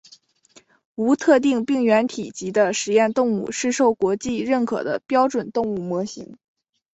无特定病原体级的实验动物是受国际认可的标准动物模型。